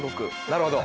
なるほど。